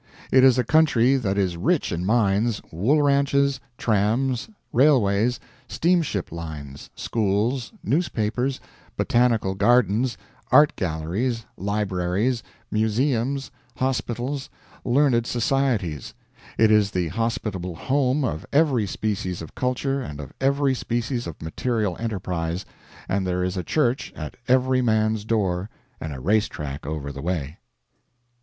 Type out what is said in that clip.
It is a country that is rich in mines, wool ranches, trams, railways, steamship lines, schools, newspapers, botanical gardens, art galleries, libraries, museums, hospitals, learned societies; it is the hospitable home of every species of culture and of every species of material enterprise, and there is a church at every man's door, and a race track over the way.